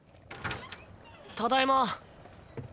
ただいま。